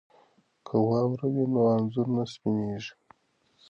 که واوره وي نو انځور نه سپینیږي.